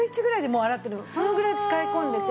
そのぐらい使い込んでて。